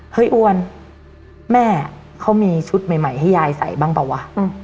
อ้วนแม่เขามีชุดใหม่ให้ยายใส่บ้างเปล่าวะ